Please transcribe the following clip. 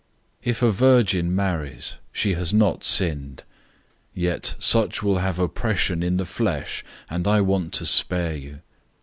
If a virgin marries, she has not sinned. Yet such will have oppression in the flesh, and I want to spare you.